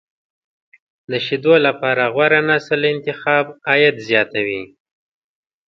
د شیدو لپاره غوره نسل انتخاب، عاید زیاتوي.